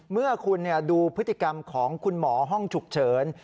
เมื่อคุณดูพฤติกรรมของคุณหมอห้องฉุกเฉิน